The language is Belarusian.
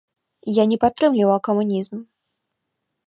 Я не падтрымліваў камунізм.